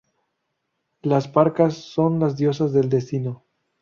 Las Parcas son las diosas del destino.